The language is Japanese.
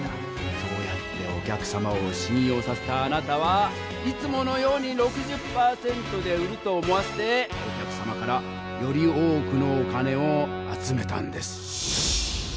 そうやってお客様をしん用させたあなたはいつものように６０％で売ると思わせてお客様からより多くのお金を集めたんです。